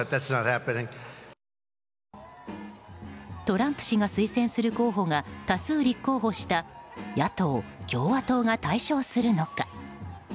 トランプ氏が推薦する候補が多数立候補した野党・共和党が大勝するのか。